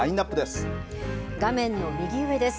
画面の右上です。